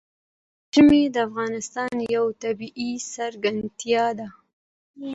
ژمی د افغانستان یوه طبیعي ځانګړتیا ده.